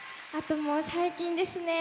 最近ですね